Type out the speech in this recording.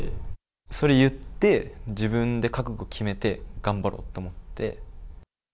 それ言って、自分で覚悟決めて、頑張ろうと思って。